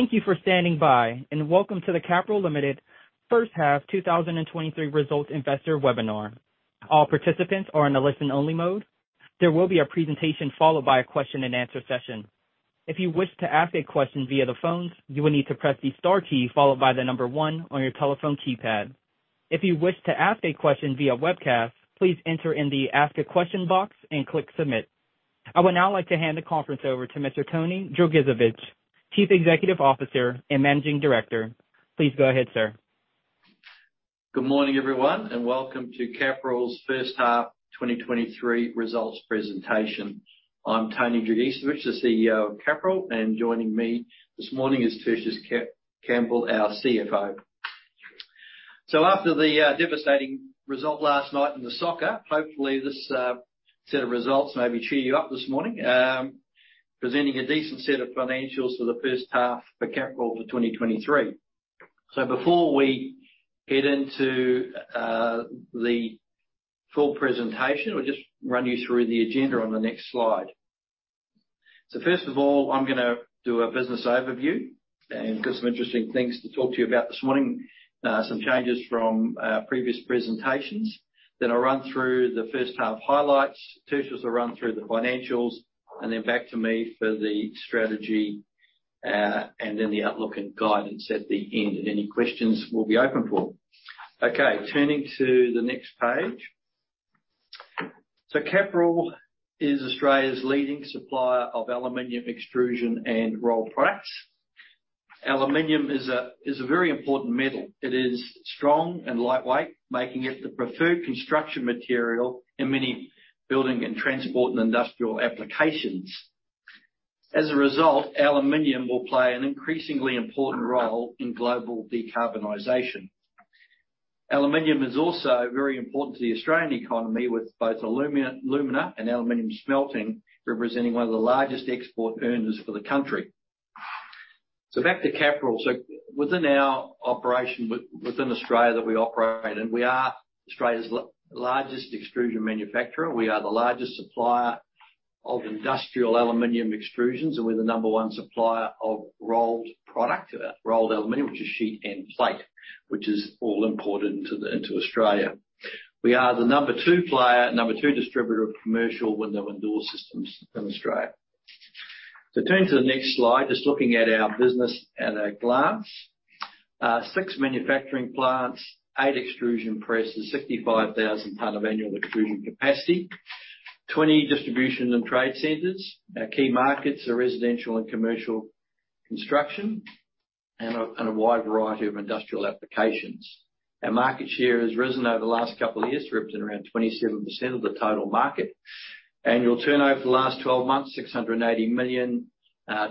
Thank you for standing by, and welcome to the Capral Limited First Half 2023 Results Investor Webinar. All participants are in a listen-only mode. There will be a presentation followed by a question-and-answer session. If you wish to ask a question via the phones, you will need to press the star key followed by the number 1 on your telephone keypad. If you wish to ask a question via webcast, please enter in the Ask a Question box and click Submit. I would now like to hand the conference over to Mr. Tony Dragicevich, Chief Executive Officer and Managing Director. Please go ahead, sir. Good morning, everyone, and welcome to Capral's First Half 2023 Results presentation. I'm Tony Dragicevich, the CEO of Capral, and joining me this morning is Tertius Campbell, our CFO. After the devastating result last night in the soccer, hopefully this set of results maybe cheer you up this morning. Presenting a decent set of financials for the first half for Capral for 2023. Before we head into the full presentation, we'll just run you through the agenda on the next slide. First of all, I'm gonna do a business overview and got some interesting things to talk to you about this morning, some changes from previous presentations. I'll run through the first half highlights. Tertius will run through the financials, and then back to me for the strategy, and then the outlook and guidance at the end, and any questions we'll be open for. Turning to the next page. Capral is Australia's leading supplier of aluminum extrusion and rolled products. Aluminum is a very important metal. It is strong and lightweight, making it the preferred construction material in many building and transport and industrial applications. As a result, aluminum will play an increasingly important role in global decarbonization. Aluminum is also very important to the Australian economy, with both alumina and aluminum smelting, representing one of the largest export earners for the country. Back to Capral. Within our operation within Australia that we operate, and we are Australia's largest extrusion manufacturer. We are the largest supplier of industrial aluminum extrusions, and we're the number one supplier of rolled product, rolled aluminum, which is sheet and plate, which is all imported into Australia. We are the number two player, number two distributor of commercial window and door systems in Australia. Turning to the next slide, just looking at our business at a glance. Six manufacturing plants, eight extrusion presses, 65,000 ton of annual extrusion capacity, 20 distribution and trade centers. Our key markets are residential and commercial construction, and a wide variety of industrial applications. Our market share has risen over the last couple of years, representing around 27% of the total market. Annual turnover for the last 12 months, 680 million.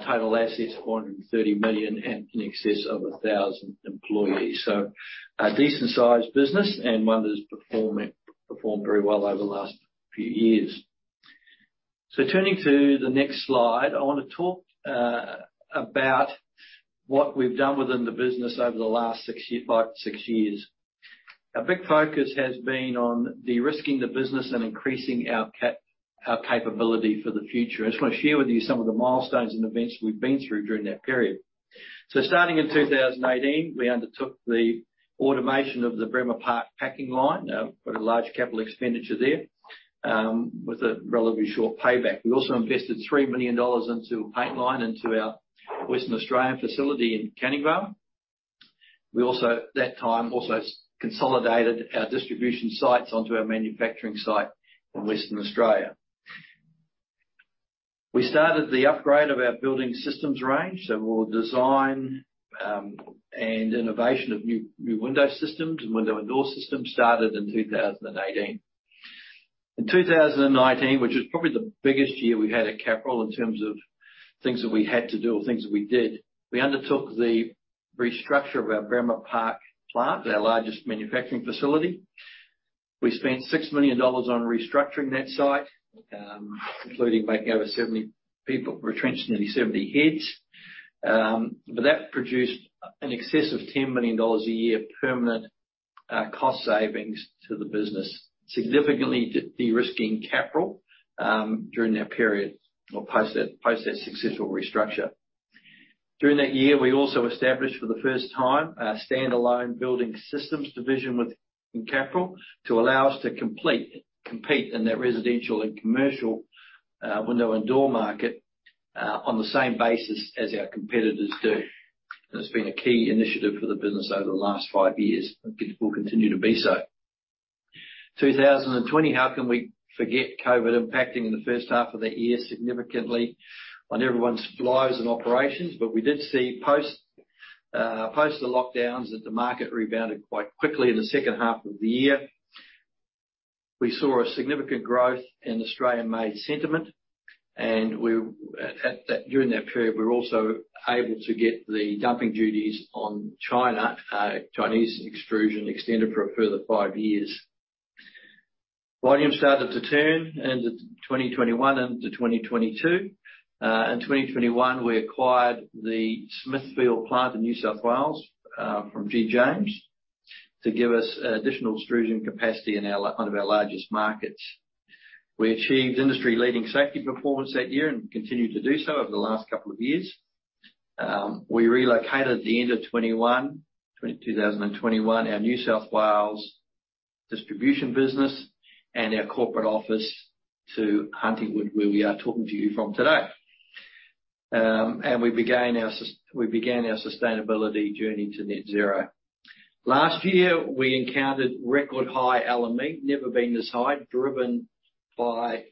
Total assets, 430 million, and in excess of 1,000 employees. A decent-sized business and one that's performing, performed very well over the last few years. Turning to the next slide, I want to talk about what we've done within the business over the last 6 years, 5 to 6 years. Our big focus has been on de-risking the business and increasing our capability for the future. I just want to share with you some of the milestones and events we've been through during that period. Starting in 2018, we undertook the automation of the Bremer Park packing line. Quite a large capital expenditure there, with a relatively short payback. We also invested 3 million dollars into a paint line, into our Western Australian facility in Canning Vale. We also, at that time, also consolidated our distribution sites onto our manufacturing site in Western Australia. We started the upgrade of our building systems range, so we'll design and innovation of new, new window systems and window and door systems started in 2018. In 2019, which is probably the biggest year we had at Capral in terms of things that we had to do or things that we did, we undertook the restructure of our Bremer Park plant, our largest manufacturing facility. We spent 6 million dollars on restructuring that site, including making over 70 people, retrenching nearly 70 heads. That produced an excess of 10 million dollars a year permanent cost savings to the business, significantly de, de-risking Capral during that period or post that, post that successful restructure. During that year, we also established for the first time, a stand-alone building systems division within Capral, to allow us to compete in that residential and commercial window and door market, on the same basis as our competitors do. That's been a key initiative for the business over the last five years, and it will continue to be so. 2020, how can we forget COVID impacting in the first half of the year, significantly on everyone's lives and operations? We did see post the lockdowns, that the market rebounded quite quickly in the second half of the year. We saw a significant growth in Australian made sentiment, and we, during that period, we were also able to get the dumping duties on China, Chinese extrusion, extended for a further five years. Volume started to turn into 2021 into 2022. In 2021, we acquired the Smithfield plant in New South Wales from G.James to give us additional extrusion capacity in our one of our largest markets. We achieved industry-leading safety performance that year and continued to do so over the last couple of years. We relocated at the end of 2021, our New South Wales distribution business and our corporate office to Huntingwood, where we are talking to you from today. We began our sustainability journey to net zero. Last year, we encountered record high aluminum, never been this high, driven by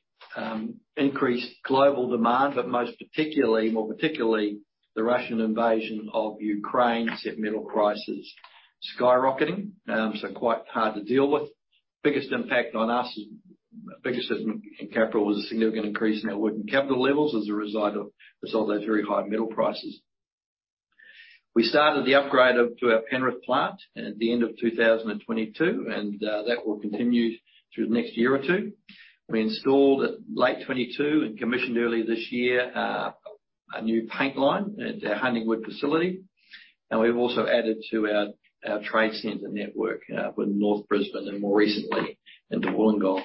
increased global demand, but most particularly, more particularly, the Russian invasion of Ukraine, sent metal prices skyrocketing. Quite hard to deal with. Biggest impact on us, biggest impact in Capral was a significant increase in our working capital levels as a result of those, all those very high metal prices. We started the upgrade of, to our Penrith plant at the end of 2022. That will continue through the next year or two. We installed late 2022 and commissioned early this year a new paint line at our Huntingwood facility. We've also added to our, our trade center network with North Brisbane and more recently into Wollongong.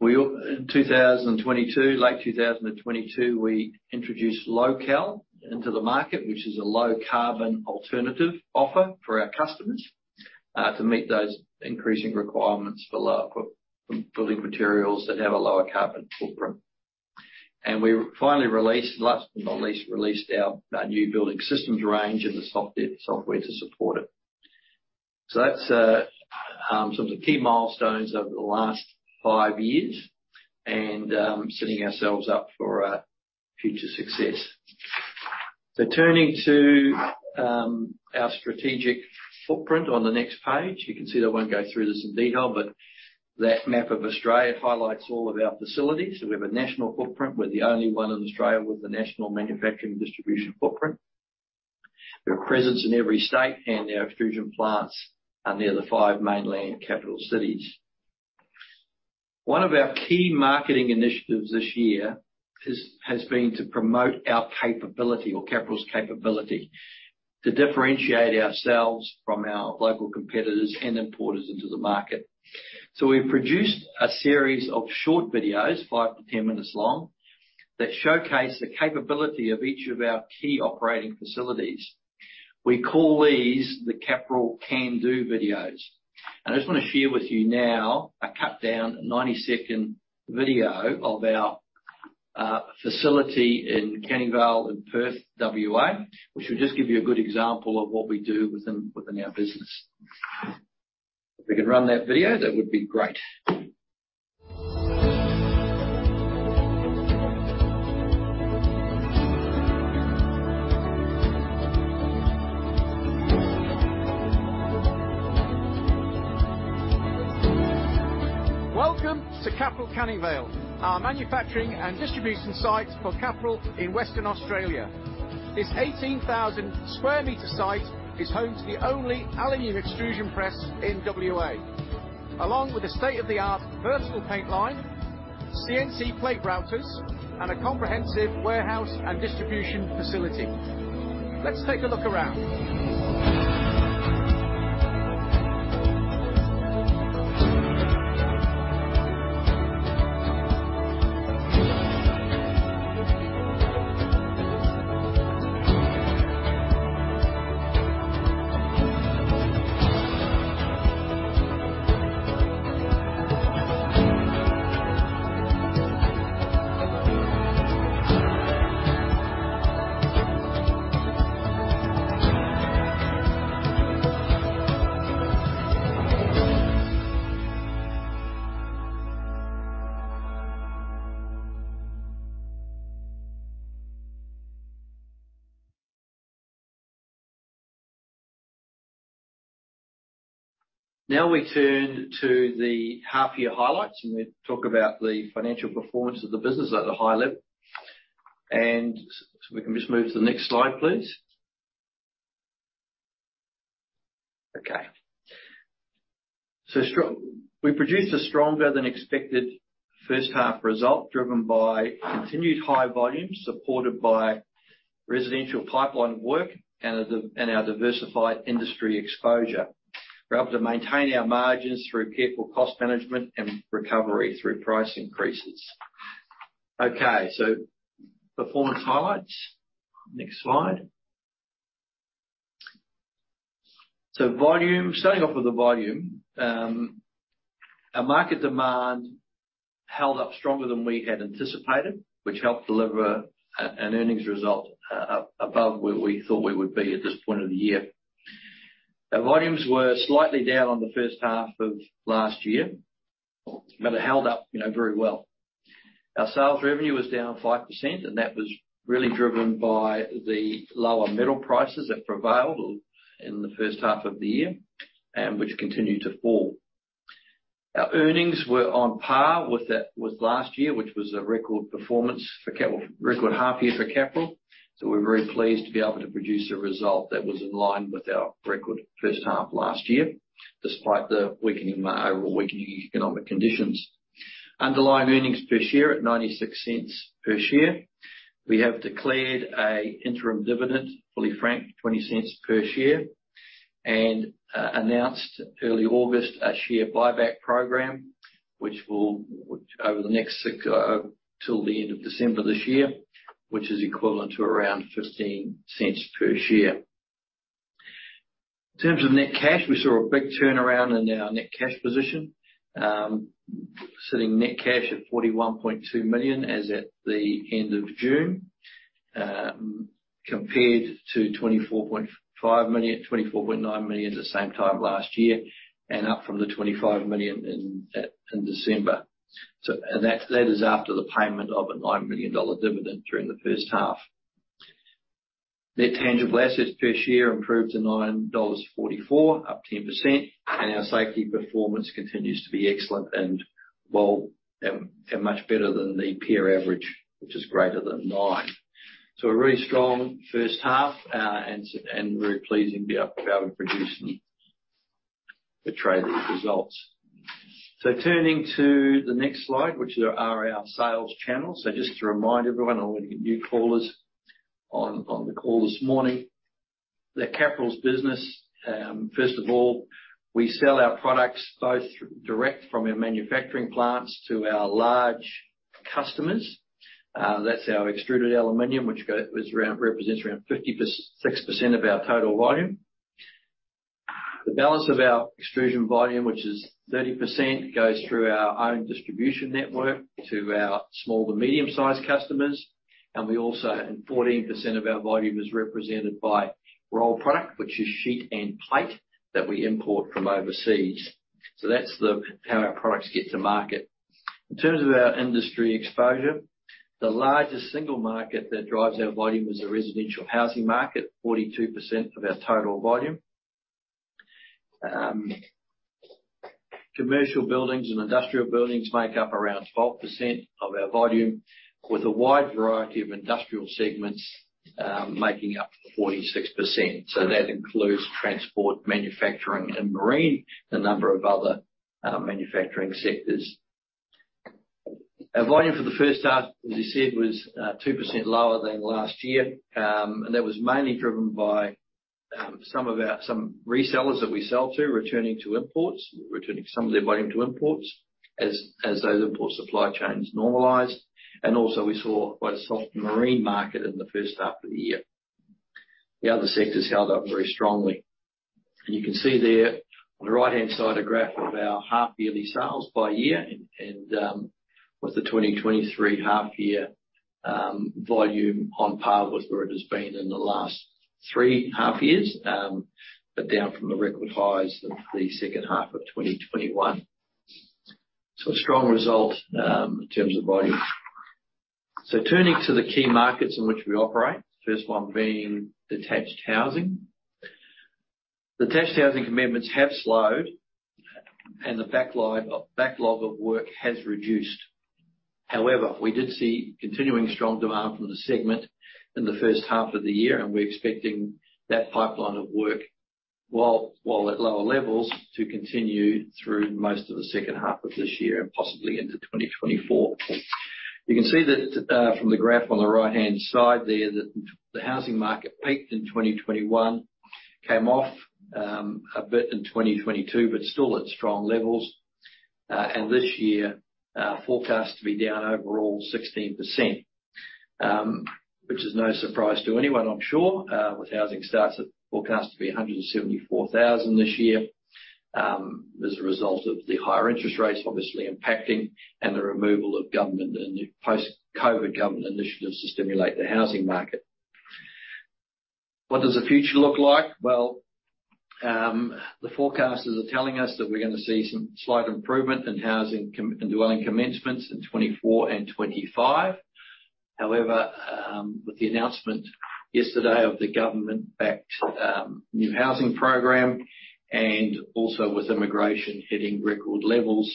In 2022, late 2022, we introduced LocAl into the market, which is a low-carbon alternative offer for our customers to meet those increasing requirements for building materials that have a lower carbon footprint. We finally released, last but not least, released our new building systems range and the software to support it. That's some of the key milestones over the last five years and setting ourselves up for future success. Turning to our strategic footprint on the next page. You can see that I won't go through this in detail, but that map of Australia highlights all of our facilities. We have a national footprint. We're the only one in Australia with a national manufacturing distribution footprint. We have a presence in every state, and our extrusion plants are near the five mainland capital cities. One of our key marketing initiatives this year is, has been to promote our capability, or Capral's capability, to differentiate ourselves from our local competitors and importers into the market. We've produced a series of short videos, 5-10 minutes long, that showcase the capability of each of our key operating facilities. We call these the Capral Can-Do videos. I just want to share with you now a cut-down, 90-second video of our facility in Canning Vale in Perth, WA, which will just give you a good example of what we do within, within our business. If we could run that video, that would be great. Welcome to Capral Canning Vale, our manufacturing and distribution site for Capral in Western Australia. This 18,000 square meter site is home to the only aluminum extrusion press in WA, along with a state-of-the-art vertical paint line, CNC plate routers, and a comprehensive warehouse and distribution facility. Let's take a look around. Now we turn to the half year highlights, and we talk about the financial performance of the business at a high level. We can just move to the next slide, please. Okay. We produced a stronger-than-expected first half result, driven by continued high volumes, supported by residential pipeline work and the, and our diversified industry exposure. We're able to maintain our margins through careful cost management and recovery through price increases. Okay, performance highlights. Next slide. Volume, starting off with the volume. Our market demand held up stronger than we had anticipated, which helped deliver an earnings result above where we thought we would be at this point of the year. Our volumes were slightly down on the first half of last year, but it held up, you know, very well. Our sales revenue was down 5%, and that was really driven by the lower metal prices that prevailed in the first half of the year, and which continued to fall. Our earnings were on par with that, with last year, which was a record performance for Capral, record half year for Capral. We're very pleased to be able to produce a result that was in line with our record first half last year, despite the weakening or weakening economic conditions. Underlying earnings per share at 0.96 per share. We have declared a interim dividend, fully franked, 0.20 per share, and announced early August, a share buyback program, which will, which over the next six, till the end of December this year, which is equivalent to around 0.15 per share. In terms of net cash, we saw a big turnaround in our net cash position. Sitting net cash at 41.2 million as at the end of June, compared to 24.5 million, 24.9 million at the same time last year, and up from the 25 million in December. That, that is after the payment of a 9 million dollar dividend during the first half. Net tangible assets per share improved to 9.44 dollars, up 10%, and our safety performance continues to be excellent and well, and much better than the peer average, which is greater than 9. A really strong first half, and very pleasing to be able to produce and portray these results. Turning to the next slide, which are our sales channels. Just to remind everyone, all the new callers on, on the call this morning, that Capral's business, first of all, we sell our products both through direct from our manufacturing plants to our large customers. That's our extruded aluminum, which is around, represents around 56% of our total volume. The balance of our extrusion volume, which is 30%, goes through our own distribution network to our small to medium-sized customers. We also, 14% of our volume is represented by rolled product, which is sheet and plate that we import from overseas. That's how our products get to market. In terms of our industry exposure, the largest single market that drives our volume is the residential housing market, 42% of our total volume. Commercial buildings and industrial buildings make up around 12% of our volume, with a wide variety of industrial segments making up 46%. That includes transport, manufacturing, and marine, a number of other manufacturing sectors. Our volume for the first half, as you said, was 2% lower than last year. That was mainly driven by some of our, some resellers that we sell to returning to imports, returning some of their volume to imports, as those import supply chains normalized. Also we saw quite a soft marine market in the first half of the year. The other sectors held up very strongly. You can see there on the right-hand side, a graph of our half yearly sales by year, and, with the 2023 half year volume on par with where it has been in the last three half years, but down from the record highs of the second half of 2021. A strong result in terms of volume. Turning to the key markets in which we operate, first one being detached housing. Detached housing commencements have slowed, and the backlog, backlog of work has reduced. However, we did see continuing strong demand from the segment in the first half of the year, and we're expecting that pipeline of work, while, while at lower levels, to continue through most of the second half of this year and possibly into 2024. You can see that from the graph on the right-hand side there, that the housing market peaked in 2021, came off a bit in 2022, but still at strong levels. This year forecast to be down overall 16%, which is no surprise to anyone, I'm sure. With housing starts forecast to be 174,000 this year, as a result of the higher interest rates obviously impacting and the removal of government and the post-COVID government initiatives to stimulate the housing market. What does the future look like? Well, the forecasters are telling us that we're going to see some slight improvement in housing in dwelling commencements in 2024 and 2025. However, with the announcement yesterday of the government-backed new housing program, and also with immigration hitting record levels,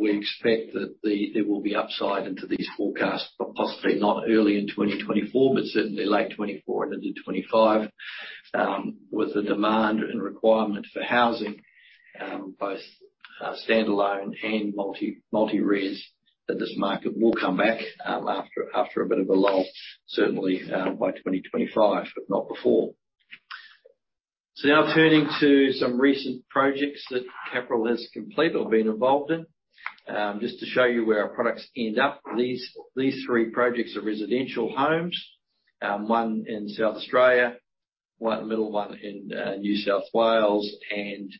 we expect that there will be upside into these forecasts, but possibly not early in 2024, but certainly late 24 and into 25. With the demand and requirement for housing, both standalone and multi, multi-res, that this market will come back after a bit of a lull, certainly by 2025, but not before. Now turning to some recent projects that Capral has completed or been involved in. Just to show you where our products end up. These, these 3 projects are residential homes, 1 in South Australia, 1, the middle 1 in New South Wales, and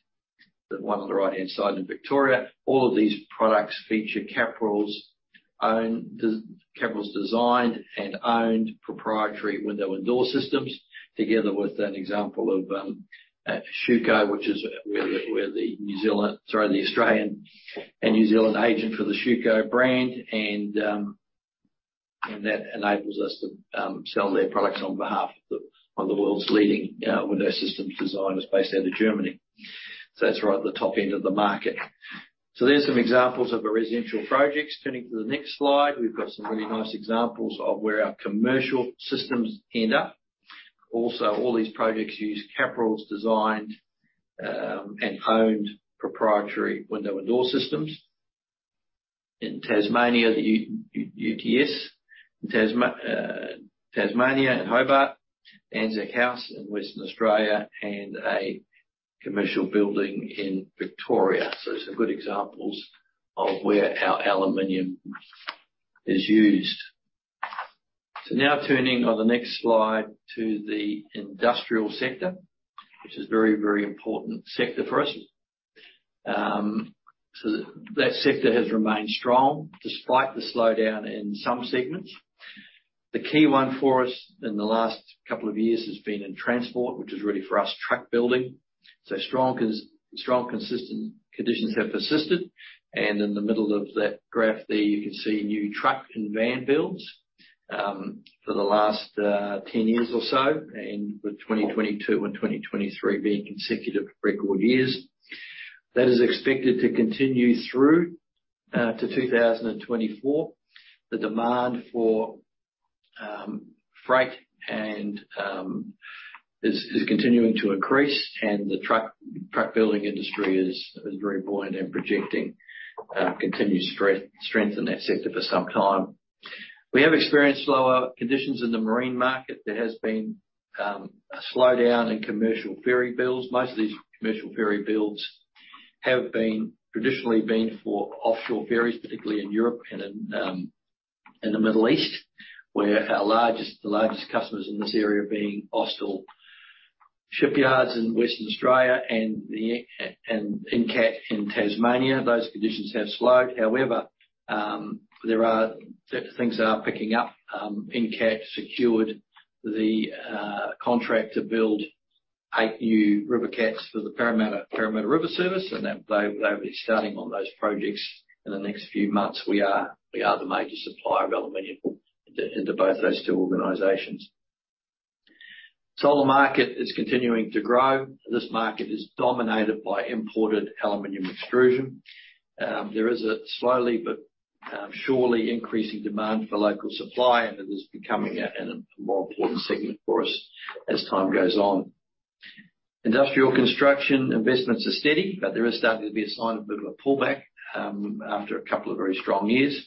the 1 on the right-hand side in Victoria. All of these products feature Capral's designed and owned proprietary window and door systems, together with an example of Schüco, which is we're the New Zealand, sorry, the Australian and New Zealand agent for the Schüco brand, and that enables us to sell their products on behalf of the world's leading window systems designers based out of Germany. That's right at the top end of the market. There's some examples of the residential projects. Turning to the next slide, we've got some really nice examples of where our commercial systems end up. All these projects use Capral's designed and owned proprietary window and door systems. In Tasmania, the UTAS. In Tasmania, in Hobart, ANZAC House in Western Australia, and a commercial building in Victoria. Some good examples of where our aluminium is used. Now turning on the next slide to the industrial sector, which is very, very important sector for us. That sector has remained strong despite the slowdown in some segments. The key one for us in the last couple of years has been in transport, which is really, for us, truck building. Strong, consistent conditions have persisted, and in the middle of that graph there, you can see new truck and van builds for the last 10 years or so, and with 2022 and 2023 being consecutive record years. That is expected to continue through to 2024. The demand for freight and is continuing to increase, and the truck building industry is very buoyant and projecting continued strength in that sector for some time. We have experienced slower conditions in the marine market. There has been a slowdown in commercial ferry builds. Most of these commercial ferry builds have been traditionally been for offshore ferries, particularly in Europe and in the Middle East, where the largest customers in this area being Austal Shipyards in Western Australia and Incat in Tasmania. Those conditions have slowed. However, things are picking up. Incat secured the contract to build 8 new RiverCat for the Parramatta River service, and they'll be starting on those projects in the next few months. We are, we are the major supplier of aluminium into, into both those two organizations. Solar market is continuing to grow. This market is dominated by imported aluminium extrusion. There is a slowly but surely increasing demand for local supply, and it is becoming a more important segment for us as time goes on. Industrial construction investments are steady, but there is starting to be a sign of a bit of a pullback after a couple of very strong years.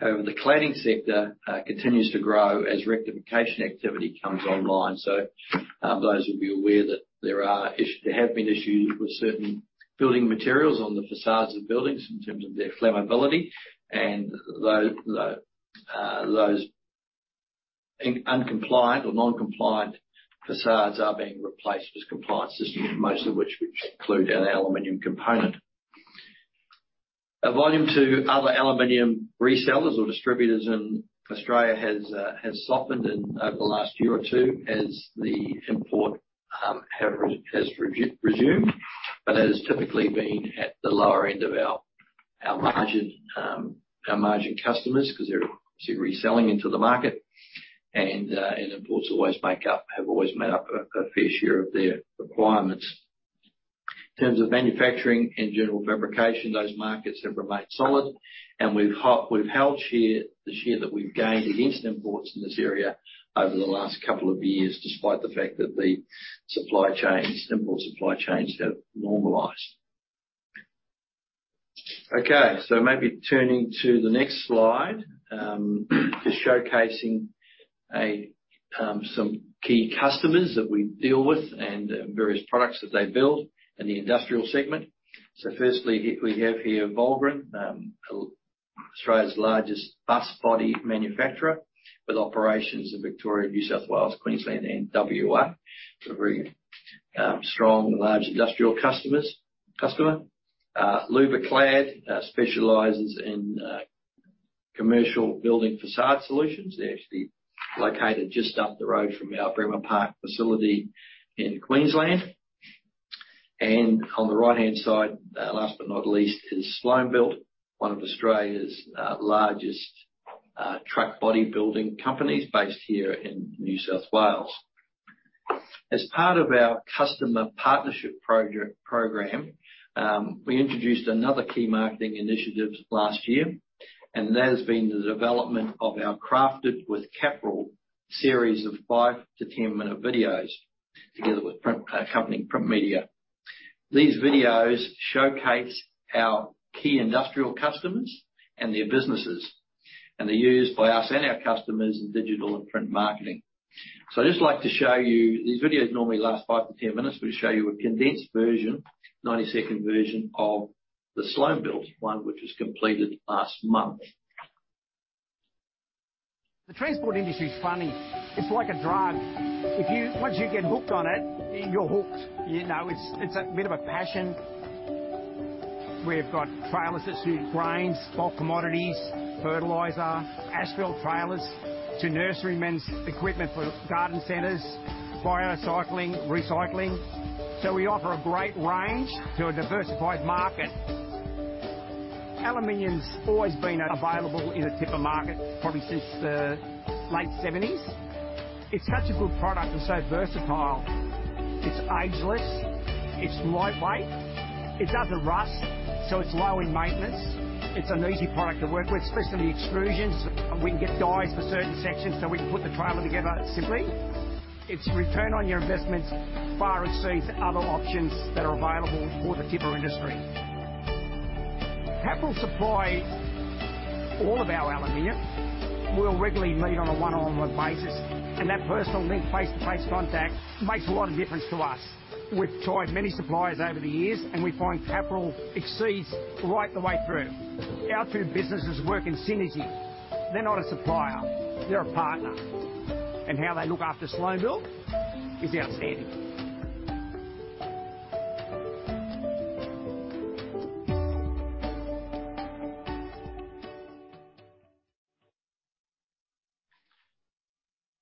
However, the cladding sector continues to grow as rectification activity comes online. Those will be aware that there have been issues with certain building materials on the facades of buildings in terms of their flammability, and those uncompliant or non-compliant facades are being replaced with compliant systems, most of which include an aluminium component. A volume to other aluminium resellers or distributors in Australia has softened in over the last year or two as the import has re-resumed, but it has typically been at the lower end of our, our margin, our margin customers, because they're reselling into the market and imports have always made up a fair share of their requirements. In terms of manufacturing and general fabrication, those markets have remained solid, and we've held share, the share that we've gained against imports in this area over the last couple of years, despite the fact that the supply chains, import supply chains have normalized. Maybe turning to the next slide, just showcasing some key customers that we deal with and the various products that they build in the industrial segment. Firstly, here we have here Volgren, Australia's largest bus body manufacturer, with operations in Victoria, New South Wales, Queensland, and WA. A very strong, large industrial customers, customer. Louvreclad specializes in commercial building facade solutions. They're actually located just up the road from our Bremer Park facility in Queensland. On the right-hand side, last but not least, is Sloanebuilt, one of Australia's largest truck bodybuilding companies based here in New South Wales. As part of our customer partnership program, we introduced another key marketing initiative last year. That has been the development of our Crafted with Capral series of 5-10 minute videos together with print company, Printmedia. These videos showcase our key industrial customers and their businesses. They're used by us and our customers in digital and print marketing. I'd just like to show you. These videos normally last 5-10 minutes. We'll show you a condensed version, 90-second version, of the Sloanebuilt one, which was completed last month. The transport industry is funny. It's like a drug. Once you get hooked on it, you're hooked. You know, it's, it's a bit of a passion. We've got trailers that suit grains, bulk commodities, fertilizer, asphalt trailers, to nurserymen's equipment for garden centers, biocycling, recycling. We offer a great range to a diversified market. Aluminum's always been available in the tipper market, probably since the late seventies.... It's such a good product and so versatile. It's ageless, it's lightweight, it doesn't rust, so it's low in maintenance. It's an easy product to work with, especially the extrusions. We can get dyes for certain sections, so we can put the trailer together simply. Its return on your investment far exceeds other options that are available for the tipper industry. Capral supply all of our aluminum. We'll regularly meet on a one-on-one basis, and that personal link, face-to-face contact, makes a lot of difference to us. We've tried many suppliers over the years, and we find Capral exceeds right the way through. Our two businesses work in synergy. They're not a supplier, they're a partner, and how they look after Sloanebuilt is outstanding.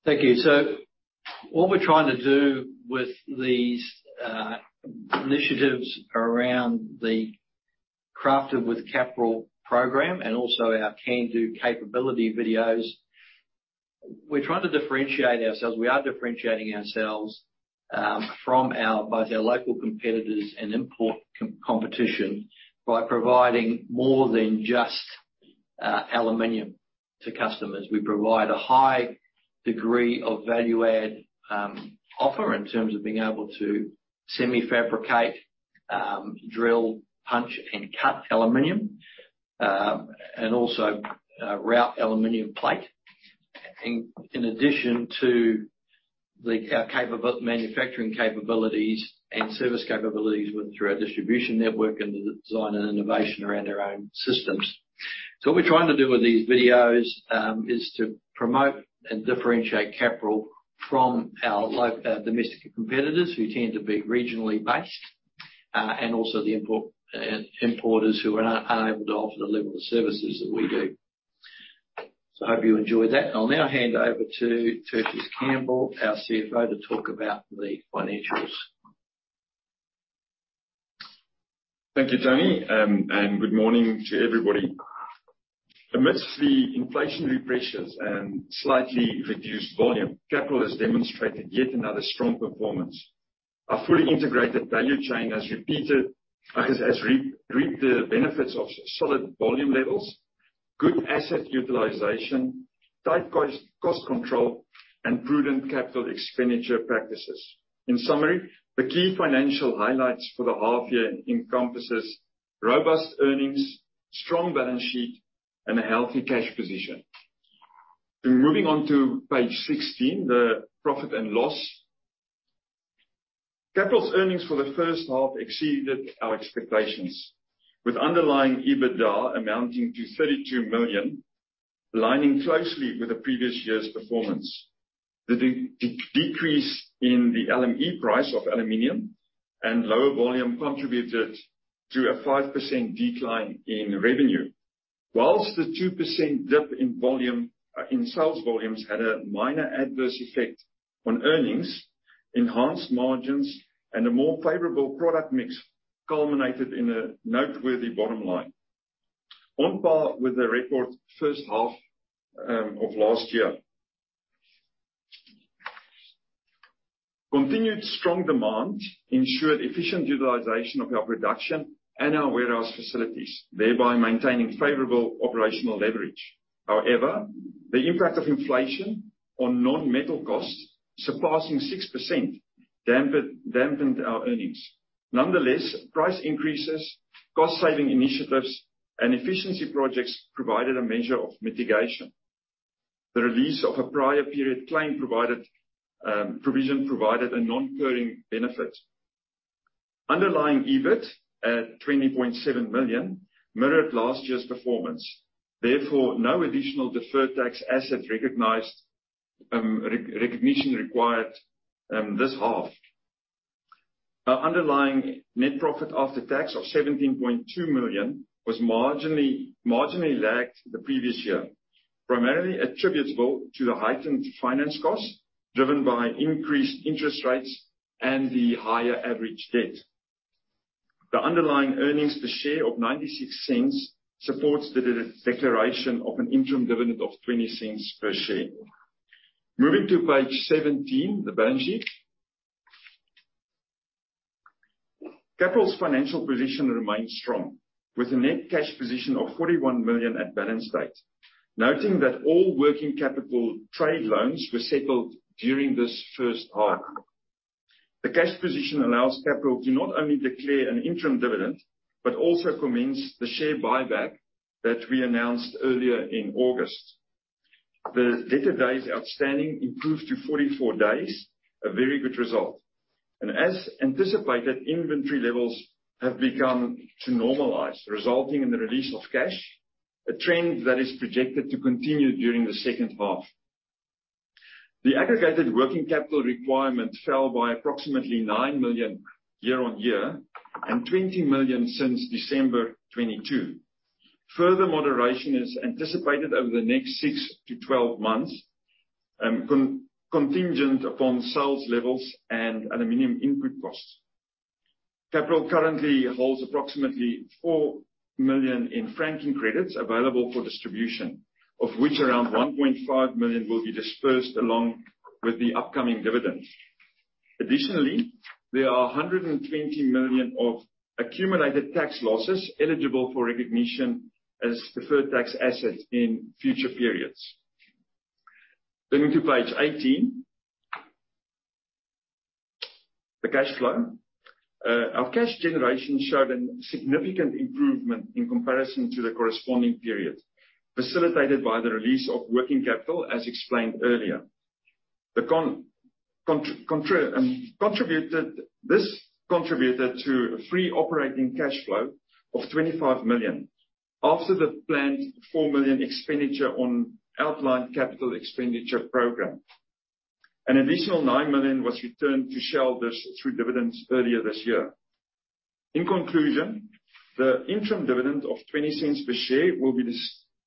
Thank you. What we're trying to do with these initiatives around the Crafted with Capral program and also our Can-Do Capability videos, we're trying to differentiate ourselves. We are differentiating ourselves, from our both our local competitors and import competition, by providing more than just aluminum to customers. We provide a high degree of value-add offer in terms of being able to semi-fabricate, drill, punch, and cut aluminum, and also, route aluminum plate. In addition to the, our Manufacturing capabilities and service capabilities through our distribution network and the design and innovation around our own systems. What we're trying to do with these videos, is to promote and differentiate Capral from our local domestic competitors, who tend to be regionally based, and also the import importers who are unable to offer the level of services that we do. I hope you enjoyed that. I'll now hand over to Tertius Campbell, our CFO, to talk about the financials. Thank you, Tony, good morning to everybody. Amidst the inflationary pressures and slightly reduced volume, Capral has demonstrated yet another strong performance. Our fully integrated value chain has reaped the benefits of solid volume levels, good asset utilization, tight cost control, and prudent capital expenditure practices. In summary, the key financial highlights for the half year encompasses: robust earnings, strong balance sheet, and a healthy cash position. Moving on to page 16, the profit and loss. Capral's earnings for the first half exceeded our expectations, with underlying EBITDA amounting to 32 million, aligning closely with the previous year's performance. The decrease in the LME price of aluminum and lower volume contributed to a 5% decline in revenue. Whilst the 2% dip in volume in sales volumes had a minor adverse effect on earnings, enhanced margins and a more favorable product mix culminated in a noteworthy bottom line, on par with the record first half of last year. Continued strong demand ensured efficient utilization of our production and our warehouse facilities, thereby maintaining favorable operational leverage. However, the impact of inflation on non-metal costs, surpassing 6%, dampened our earnings. Nonetheless, price increases, cost-saving initiatives, and efficiency projects provided a measure of mitigation. The release of a prior period claim provided provision provided a non-occurring benefit. Underlying EBIT, at 20.7 million, mirrored last year's performance, therefore, no additional deferred tax asset recognized re-recognition required this half. Our underlying net profit after tax of 17.2 million was marginally, marginally lagged the previous year, primarily attributable to the heightened finance costs, driven by increased interest rates and the higher average debt. The underlying earnings per share of 0.96 supports the de-declaration of an interim dividend of 0.20 per share. Moving to page 17, the balance sheet. Capral's financial position remains strong, with a net cash position of 41 million at balance date. Noting that all working capital trade loans were settled during this first half. The cash position allows Capral to not only declare an interim dividend, but also commence the share buyback that we announced earlier in August. The debtor days outstanding improved to 44 days, a very good result. As anticipated, inventory levels have begun to normalize, resulting in the release of cash, a trend that is projected to continue during the second half. The aggregated working capital requirement fell by approximately 9 million year-on-year, and 20 million since December 2022. Further moderation is anticipated over the next 6-12 months, contingent upon sales levels and aluminium input costs. Capral currently holds approximately 4 million in franking credits available for distribution, of which around 1.5 million will be dispersed along with the upcoming dividends. Additionally, there are 120 million of accumulated tax losses eligible for recognition as deferred tax assets in future periods. Turning to page 18, the cash flow. Our cash generation showed a significant improvement in comparison to the corresponding period, facilitated by the release of working capital, as explained earlier. The contributed, this contributed to a free operating cash flow of 25 million, after the planned 4 million expenditure on outlined capital expenditure program. An additional 9 million was returned to shareholders through dividends earlier this year. In conclusion, the interim dividend of 0.20 per share will be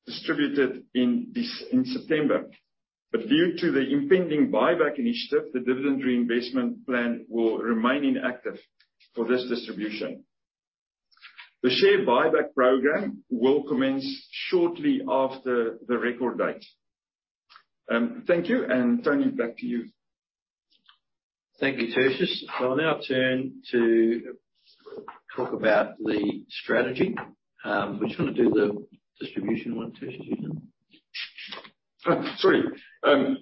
distributed in this, in September. Due to the impending buyback initiative, the dividend reinvestment plan will remain inactive for this distribution. The share buyback program will commence shortly after the record date. Thank you, and Tony, back to you. Thank you, Tertius. I will now turn to talk about the strategy. Would you want to do the distribution one, Tertius, again? Sorry. I,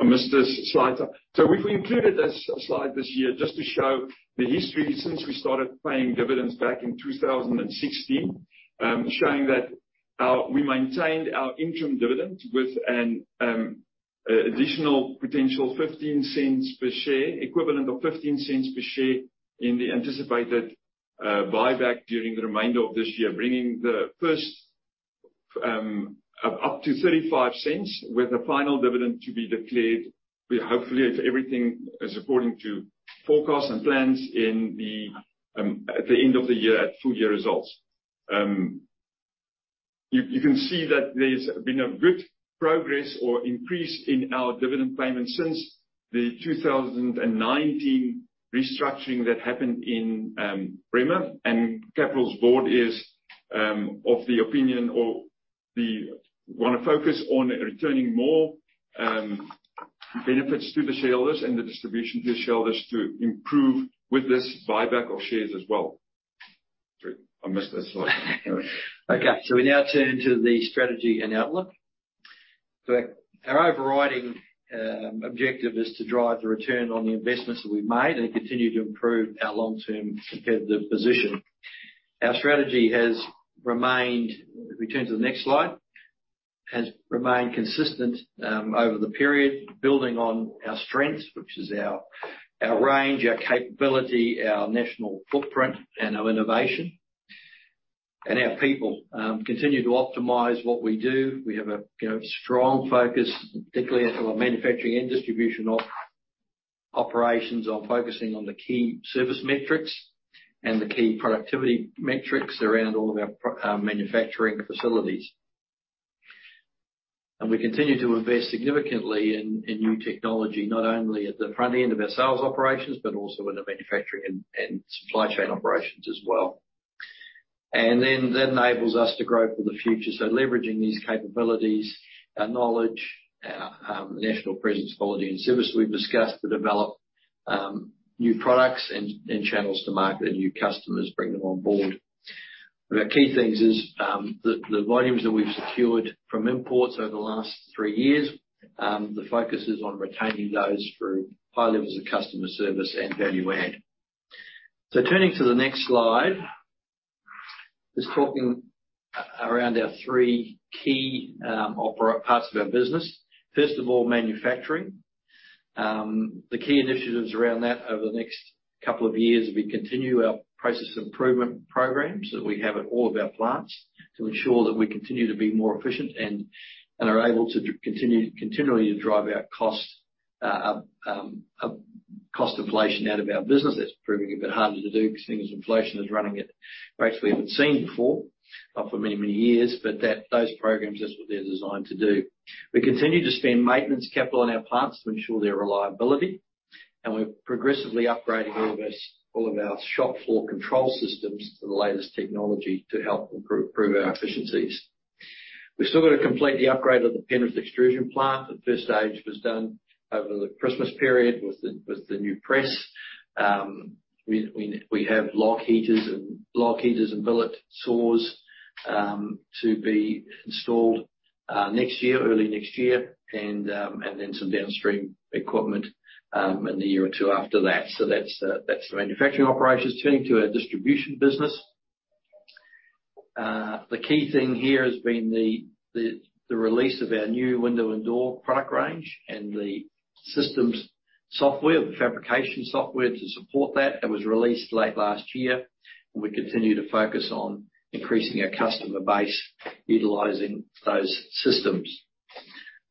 I missed this slide. We've included this slide this year just to show the history since we started paying dividends back in 2016. Showing that we maintained our interim dividend with an additional potential 0.15 per share, equivalent of 0.15 per share in the anticipated buyback during the remainder of this year, bringing the first up to 0.35, with a final dividend to be declared. We hopefully, if everything is according to forecasts and plans in the at the end of the year, at full year results. You, you can see that there's been a good progress or increase in our dividend payment since the 2019 restructuring that happened in Bremer. Capral's board is of the opinion or wanna focus on returning more benefits to the shareholders and the distribution to the shareholders to improve with this buyback of shares as well. Sorry, I missed that slide. Okay, we now turn to the strategy and outlook. Our overriding objective is to drive the return on the investments that we've made and continue to improve our long-term competitive position. Our strategy has remained... If we turn to the next slide, has remained consistent over the period, building on our strengths, which is our, our range, our capability, our national footprint, and our innovation. Our people continue to optimize what we do. We have a, you know, strong focus, particularly on our manufacturing and distribution operations, on focusing on the key service metrics and the key productivity metrics around all of our manufacturing facilities. We continue to invest significantly in, in new technology, not only at the front end of our sales operations, but also in the manufacturing and, and supply chain operations as well. That enables us to grow for the future. Leveraging these capabilities, our knowledge, our national presence, quality, and service, we've discussed to develop new products and, and channels to market and new customers, bring them on board. Our key things is the volumes that we've secured from imports over the last three years, the focus is on retaining those through high levels of customer service and value add. Turning to the next slide, is talking around our three key parts of our business. First of all, manufacturing. The key initiatives around that over the next couple of years, we continue our process improvement programs that we have at all of our plants, to ensure that we continue to be more efficient and are able to continue, continually to drive our costs, cost inflation out of our business. That's proving a bit harder to do because inflation is running at rates we haven't seen before, not for many, many years, but that, those programs, that's what they're designed to do. We continue to spend maintenance capital on our plants to ensure their reliability. We're progressively upgrading all of our, all of our shop floor control systems to the latest technology to help improve, improve our efficiencies. We've still got to complete the upgrade of the Penrith extrusion plant. The first stage was done over the Christmas period with the, with the new press. We, we, we have log heaters and, log heaters and billet saws to be installed next year, early next year, and then some downstream equipment in the year or 2 after that. That's the manufacturing operations. Turning to our distribution business. The key thing here has been the, the, the release of our new window and door product range and the systems software, the fabrication software, to support that. It was released late last year, and we continue to focus on increasing our customer base, utilizing those systems.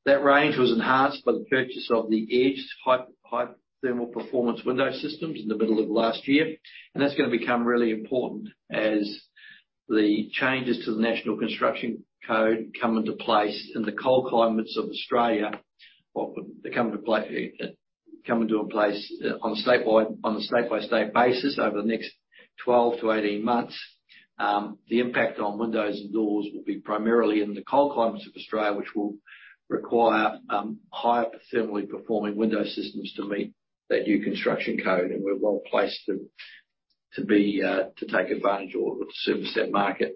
That range was enhanced by the purchase of the EDGE high, high thermal performance window systems in the middle of last year, and that's gonna become really important as. The changes to the National Construction Code come into place in the cold climates of Australia, or they come into play, come into in place on a state-by-state basis over the next 12 to 18 months. The impact on windows and doors will be primarily in the cold climates of Australia, which will require, higher thermally performing window systems to meet that new construction code, We're well placed to, to be, to take advantage of or service that market.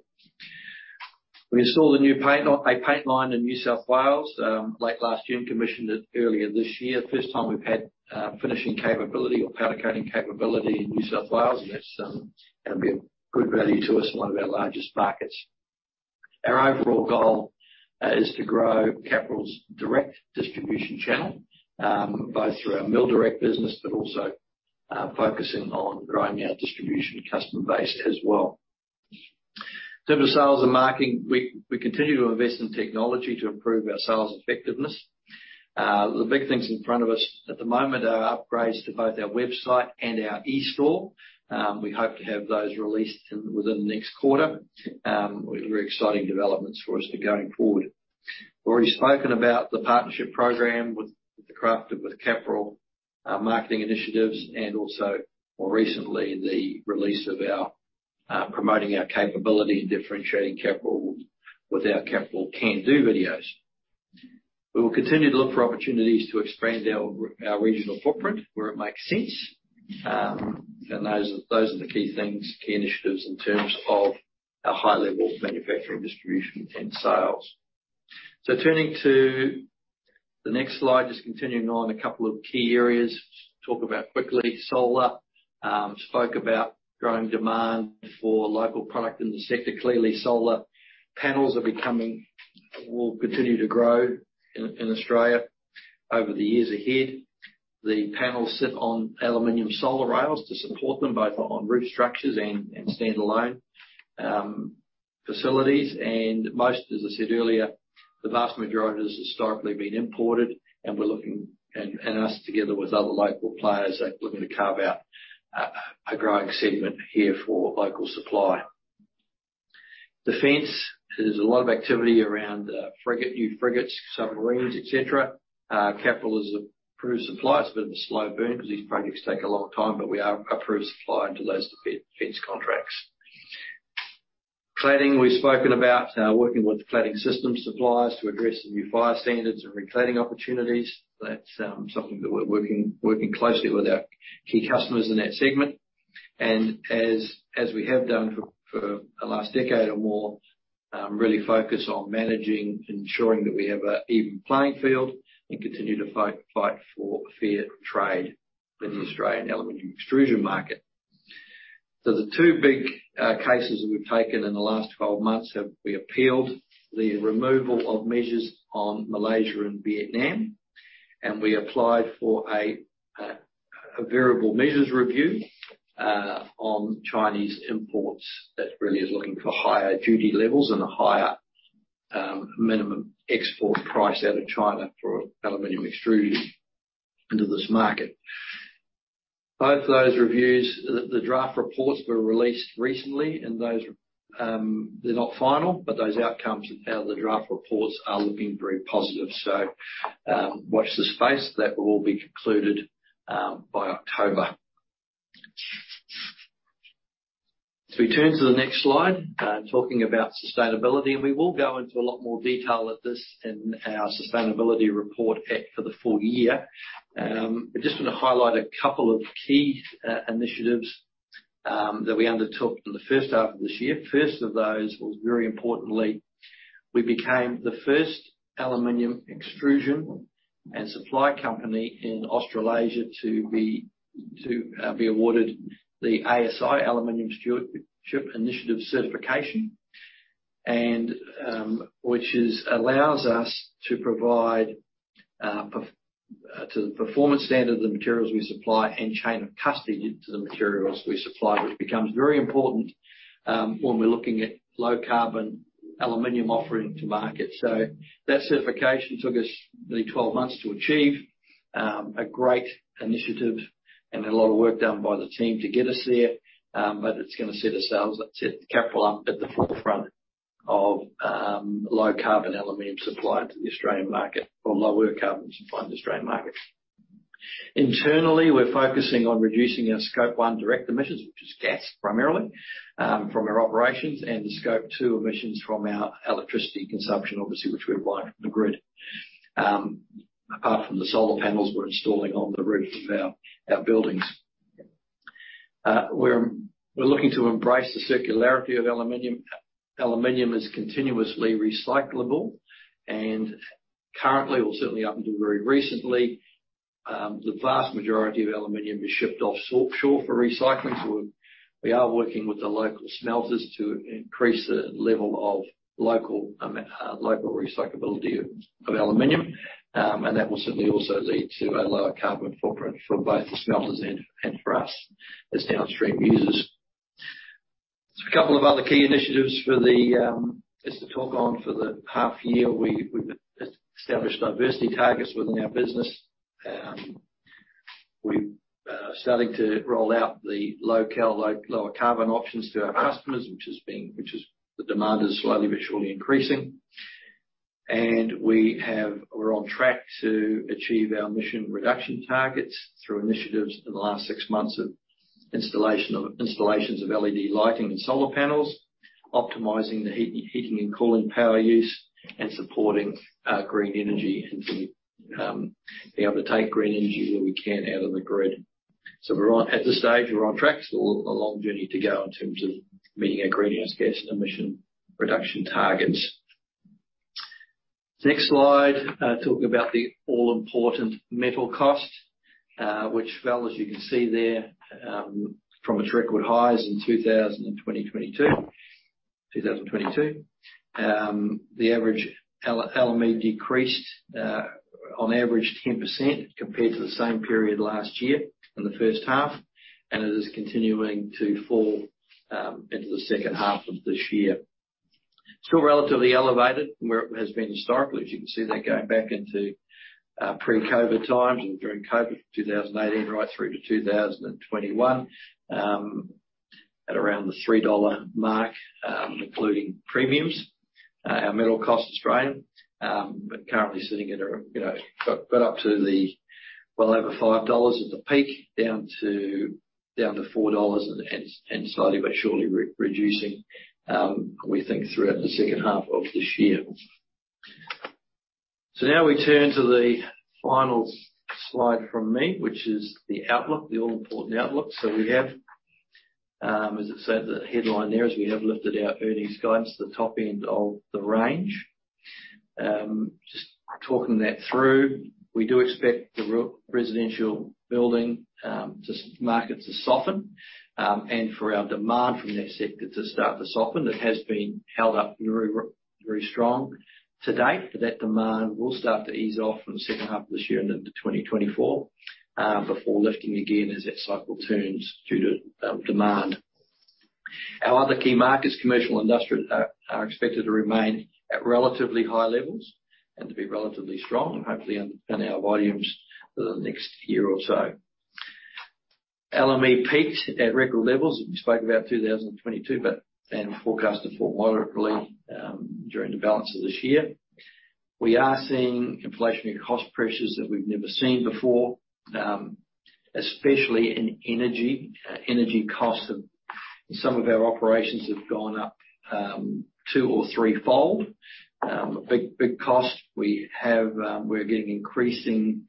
We installed a new paint line in New South Wales, late last June, commissioned it earlier this year. First time we've had, finishing capability or powder coating capability in New South Wales, That's going to be a good value to us in one of our largest markets. Our overall goal is to grow Capral's direct distribution channel, both through our mill-direct business, but also focusing on growing our distribution customer base as well. In terms of sales and marketing, we, we continue to invest in technology to improve our sales effectiveness. The big things in front of us at the moment are upgrades to both our website and our E-Store. We hope to have those released in, within the next quarter. Very exciting developments for us for going forward. We've already spoken about the partnership program with the Crafted with Capral marketing initiatives and also, more recently, the release of our promoting our capability and differentiating Capral with our Capital Can-Do videos. We will continue to look for opportunities to expand our regional footprint where it makes sense. Those, those are the key things, key initiatives in terms of our high-level manufacturing, distribution, and sales. Turning to the next slide, just continuing on a couple of key areas. Talk about quickly, solar. Spoke about growing demand for local product in the sector. Clearly, solar panels will continue to grow in Australia over the years ahead. The panels sit on aluminum solar rails to support them, both on roof structures and standalone facilities. Most, as I said earlier, the vast majority has historically been imported, and us, together with other local players, are looking to carve out a growing segment here for local supply. Defense. There's a lot of activity around frigate, new frigates, submarines, et cetera. Capral is an approved supplier. It's been a slow burn because these projects take a long time, but we are approved supplier to those defense, defense contracts. Cladding, we've spoken about, working with cladding system suppliers to address the new fire standards and recladding opportunities. That's something that we're working, working closely with our key customers in that segment. As, as we have done for, for the last decade or more, really focus on managing and ensuring that we have an even playing field and continue to fight, fight for fair trade in the Australian aluminum extrusion market. The two big cases that we've taken in the last 12 months, we appealed the removal of measures on Malaysia and Vietnam, and we applied for a variable measures review on Chinese imports. That really is looking for higher duty levels and a higher minimum export price out of China for aluminum extrusion into this market. Both those reviews, the draft reports were released recently, those, they're not final, but those outcomes of the draft reports are looking very positive. Watch this space. That will all be concluded by October. We turn to the next slide, talking about sustainability, and we will go into a lot more detail at this in our sustainability report for the full year. I just want to highlight a couple of key initiatives that we undertook in the first half of this year. First of those was, very importantly, we became the first aluminum extrusion and supply company in Australasia to be awarded the ASI, Aluminium Stewardship Initiative certification. Which allows us to provide to the performance standard of the materials we supply and chain of custody to the materials we supply, which becomes very important when we're looking at low-carbon aluminium offering to market. That certification took us nearly 12 months to achieve, a great initiative and a lot of work done by the team to get us there. It's going to set ourselves, set Capral up at the forefront of low-carbon aluminium supply to the Australian market, or lower carbon supply to the Australian market. Internally, we're focusing on reducing our Scope 1 direct emissions, which is gas, primarily, from our operations, and the Scope 2 emissions from our electricity consumption, obviously, which we rely on the grid. Apart from the solar panels we're installing on the roof of our, our buildings. We're, we're looking to embrace the circularity of aluminium. Aluminium is continuously recyclable. Currently, or certainly up until very recently, the vast majority of aluminium is shipped offshore for recycling. We are working with the local smelters to increase the level of local local recyclability of, of aluminium. That will certainly also lead to a lower carbon footprint for both the smelters and, and for us as downstream users. There's a couple of other key initiatives for the just to talk on for the half year. We, we've established diversity targets within our business. We are starting to roll out the LocAl, low, lower carbon options to our customers, which is being, which is the demand is slowly but surely increasing. We're on track to achieve our emission reduction targets through initiatives in the last six months of installations of LED lighting and solar panels, optimizing heating and cooling power use, and supporting green energy, and being able to take green energy where we can out of the grid. At this stage, we're on track. Still a long journey to go in terms of meeting our greenhouse gas emission reduction targets. Next slide, talking about the all-important metal cost, which fell, as you can see there, from its record highs in 2022, 2022. The average LME decreased, on average 10% compared to the same period last year in the first half, and it is continuing to fall into the second half of this year. Still relatively elevated from where it has been historically, as you can see that going back into, pre-COVID times and during COVID, 2018, right through to 2021, at around the 3 dollar mark, including premiums. Our metal cost AUD, but currently sitting at a, you know, got up to the well over 5 dollars at the peak, down to 4 dollars and slowly but surely reducing, we think throughout the second half of this year. Now we turn to the final slide from me, which is the outlook, the all-important outlook. We have, as it said, the headline there is we have lifted our earnings guidance to the top end of the range. Just talking that through, we do expect the residential building, just market to soften, and for our demand from that sector to start to soften. It has been held up very, very strong to date, but that demand will start to ease off in the second half of this year and into 2024, before lifting again as that cycle turns due to demand. Our other key markets, commercial and industrial, are, are expected to remain at relatively high levels and to be relatively strong and hopefully underpin our volumes for the next year or so. LME peaked at record levels, we spoke about 2022, but, and forecast to fall moderately during the balance of this year. We are seeing inflationary cost pressures that we've never seen before, especially in energy. Energy costs have, in some of our operations, have gone up, two or threefold. A big, big cost we have, we're getting increasing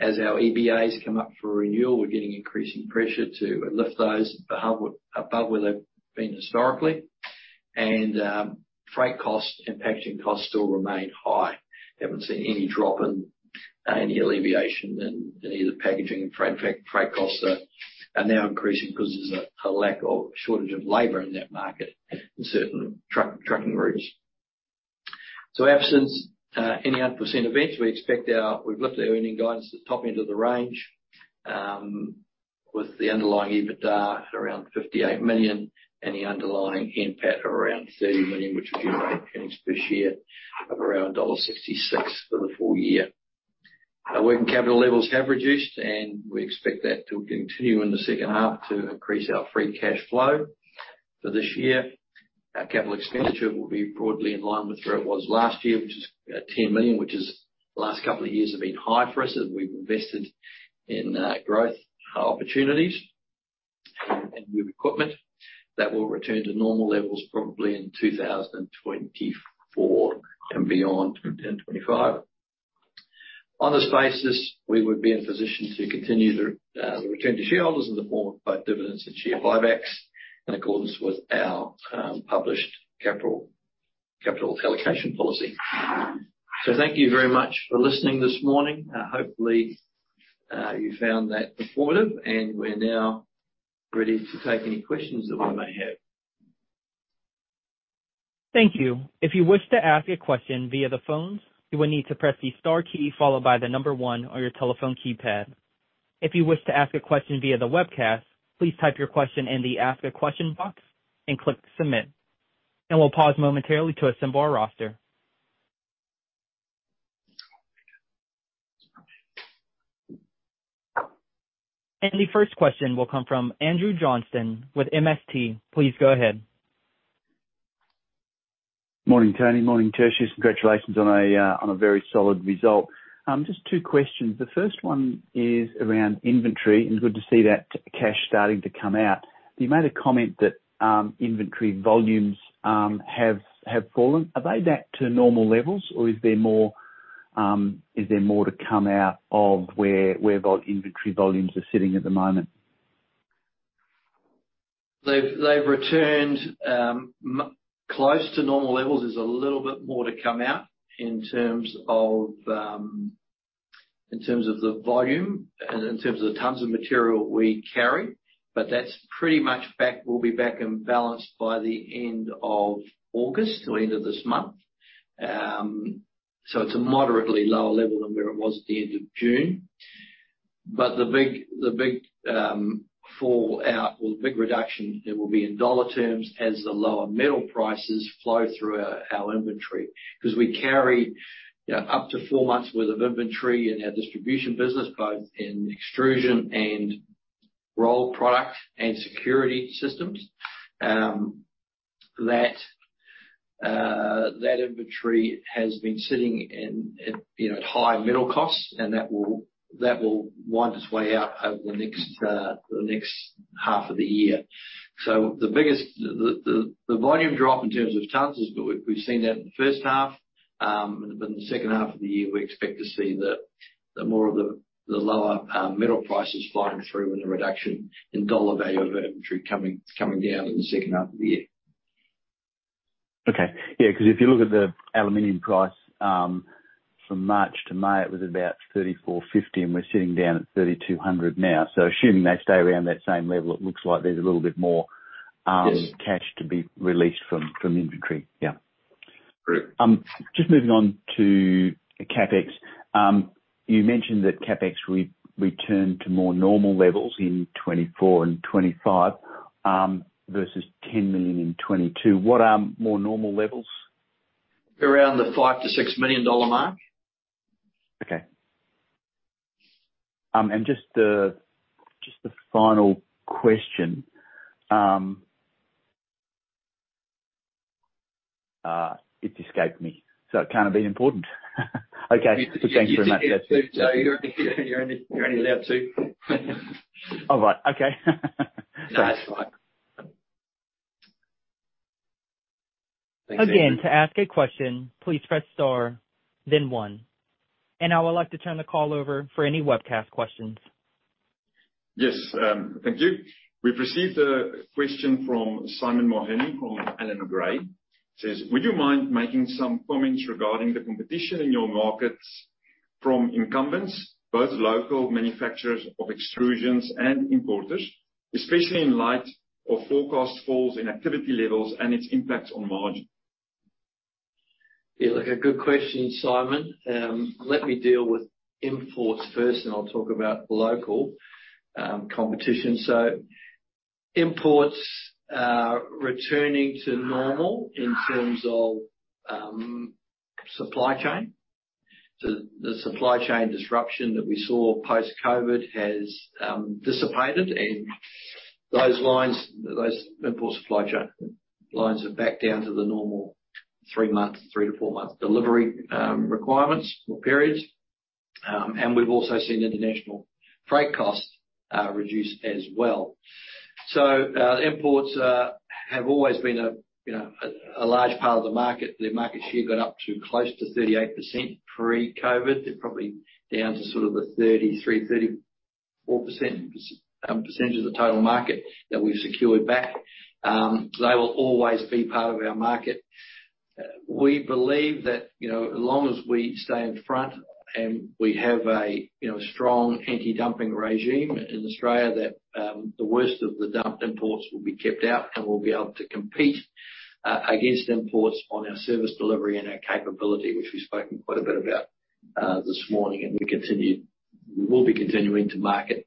as our EBAs come up for renewal, we're getting increasing pressure to lift those above, above where they've been historically. Freight costs and packaging costs still remain high. We haven't seen any drop in, any alleviation in, in either packaging and freight, freight costs are, are now increasing 'cause there's a, a lack of, shortage of labor in that market in certain truck, trucking routes. Absence any unforeseen events, we expect we've lifted our earning guidance to the top end of the range, with the underlying EBITDA around 58 million and the underlying NPAT around 30 million, which would be earnings per share of around dollar 1.66 for the full year. Our working capital levels have reduced, and we expect that to continue in the second half to increase our free cash flow for this year. Our capital expenditure will be broadly in line with where it was last year, which is 10 million, which is, the last couple of years have been high for us as we've invested in growth opportunities and new equipment. That will return to normal levels probably in 2024 and beyond, 2025. On this basis, we would be in position to continue the return to shareholders in the form of both dividends and share buybacks, in accordance with our published capital, capital allocation policy. Thank you very much for listening this morning. Hopefully, you found that informative, and we're now ready to take any questions that we may have. Thank you. If you wish to ask a question via the phones, you will need to press the star key followed by the number one on your telephone keypad. If you wish to ask a question via the webcast, please type your question in the Ask a Question box and click Submit. We'll pause momentarily to assemble our roster. The first question will come from Andrew Johnston with MST. Please go ahead. Morning, Tony. Morning, Tertius. Congratulations on a very solid result. Just two questions. The first one is around inventory, good to see that cash starting to come out. You made a comment that inventory volumes have fallen. Are they back to normal levels, or is there more, is there more to come out of where inventory volumes are sitting at the moment? They've, they've returned close to normal levels. There's a little bit more to come out in terms of in terms of the volume and in terms of the tons of material we carry, that's pretty much back. We'll be back and balanced by the end of August, end of this month. It's a moderately lower level than where it was at the end of June. The big, the big fall out or the big reduction, it will be in dollar terms as the lower metal prices flow through our, our inventory. We carry, you know, up to four months worth of inventory in our distribution business, both in extrusion and rolled product and security systems. That, that inventory has been sitting in, at, you know, at high metal costs, and that will, that will wind its way out over the next, the next half of the year. The biggest volume drop in terms of tons is, we've, we've seen that in the first half. In the second half of the year, we expect to see more of the lower metal prices flowing through and a reduction in dollar value of inventory coming, coming down in the second half of the year. Okay. Yeah, if you look at the aluminium price, from March to May, it was about 3,450, and we're sitting down at 3,200 now. Assuming they stay around that same level, it looks like there's a little bit more. Yes. cash to be released from, from inventory. Yeah. Correct. Just moving on to CapEx. You mentioned that CapEx returned to more normal levels in 2024 and 2025, versus 10 million in 2022. What are more normal levels? Around the 5 million-6 million dollar mark. Okay. Just, just the final question. It's escaped me, so it can't have been important. Okay, thanks very much. You're, you're only, you're only allowed two. All right. Okay. That's fine. Again, to ask a question, please press star 1. I would like to turn the call over for any webcast questions. Yes, thank you. We've received a question from Simon Mawhinney, from Allan Gray. Says: Would you mind making some comments regarding the competition in your markets from incumbents, both local manufacturers of extrusions and importers, especially in light of forecast falls in activity levels and its impacts on margin? Yeah, look, a good question, Simon. Let me deal with imports first, and I'll talk about local competition. Imports are returning to normal in terms of supply chain. The, the supply chain disruption that we saw post-COVID has dissipated, and those lines, those import supply chain lines are back down to the normal 3-month, 3-4 month delivery requirements or periods. We've also seen international freight costs reduce as well. Imports have always been a, you know, a large part of the market. The market share got up to close to 38% pre-COVID. They're probably down to sort of the 33%-34% percentage of the total market that we've secured back. They will always be part of our market. We believe that, you know, as long as we stay in front and we have a, you know, strong anti-dumping regime in Australia, that the worst of the dumped imports will be kept out. We'll be able to compete against imports on our service delivery and our capability, which we've spoken quite a bit about this morning. We will be continuing to market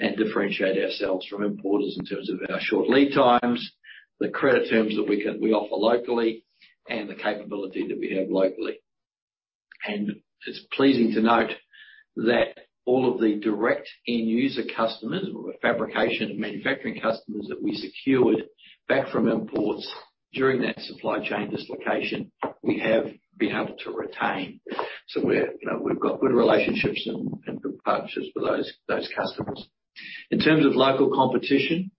and differentiate ourselves from importers in terms of our short lead times, the credit terms that we can, we offer locally, and the capability that we have locally. It's pleasing to note that all of the direct end user customers, or the fabrication and manufacturing customers, that we secured back from imports during that supply chain dislocation, we have been able to retain. We're, you know, we've got good relationships and good partnerships with those, those customers. In terms of local competition,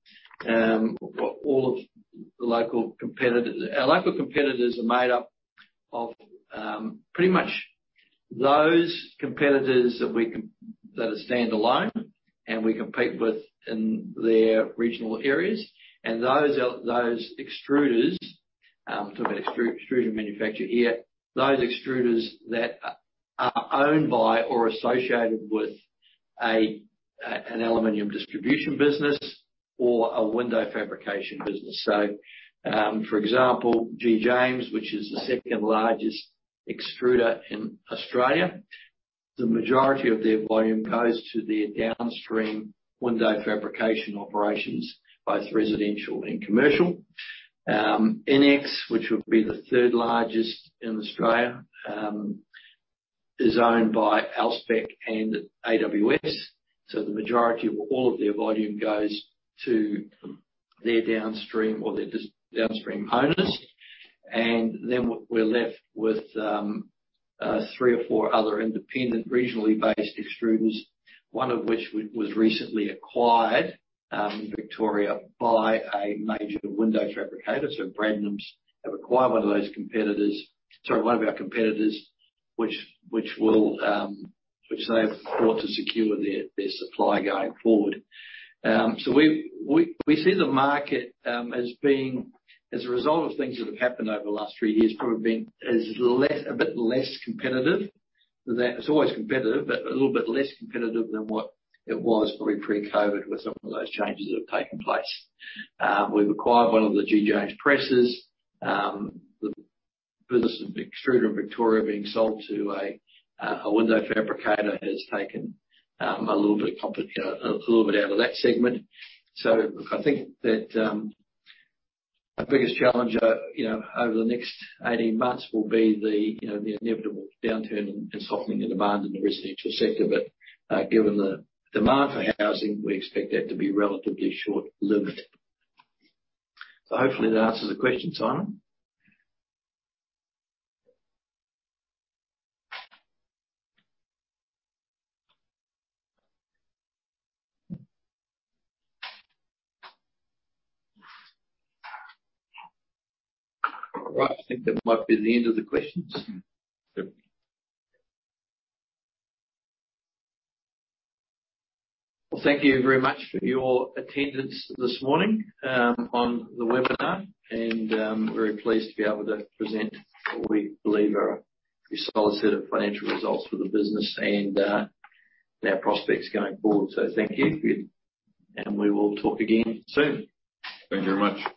all of the local competitors. Our local competitors are made up of pretty much those competitors that we that are standalone, and we compete with in their regional areas. Those are, those extruders, talking about extrusion manufacturer here. Those extruders that are owned by or associated with a an aluminium distribution business or a window fabrication business. For example, G.James, which is the second-largest extruder in Australia, the majority of their volume goes to their downstream window fabrication operations, both residential and commercial. INEX, which would be the third-largest in Australia, is owned by Alspec and AWS, the majority of all of their volume goes to their downstream or their downstream owners. We're, we're left with three or four other independent, regionally-based extruders, one of which was recently acquired, Victoria, by a major window fabricator. Bradnam's have acquired one of those competitors, sorry, one of our competitors, which, which will, which they have bought to secure their, their supply going forward. We, we, we see the market as being, as a result of things that have happened over the last three years, probably been, as less, a bit less competitive than that. It's always competitive, but a little bit less competitive than what it was probably pre-COVID, with some of those changes that have taken place. We've acquired one of the G.James presses. The business of extruder in Victoria being sold to a window fabricator, has taken a little bit out of that segment. I think that, our biggest challenge, you know, over the next 18 months will be the, you know, the inevitable downturn and softening in demand in the residential sector. Given the demand for housing, we expect that to be relatively short-lived. Hopefully that answers the question, Simon. All right. I think that might be the end of the questions. Well, thank you very much for your attendance this morning, on the webinar. We're very pleased to be able to present what we believe are a solid set of financial results for the business and our prospects going forward. Thank you, and we will talk again soon. Thank you very much.